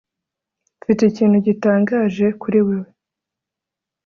mfite ikintu gitangaje kuri wewe